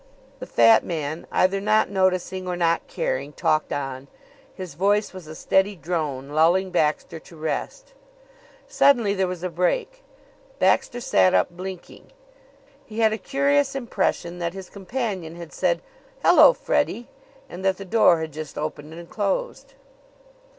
The fat man, either not noticing or not caring, talked on. His voice was a steady drone, lulling Baxter to rest. Suddenly there was a break. Baxter sat up, blinking. He had a curious impression that his companion had said "Hello, Freddie!" and that the door had just opened and closed.